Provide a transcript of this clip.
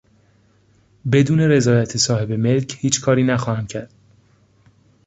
بدون رضایت صاحب ملک هیچ کاری نخواهم کرد.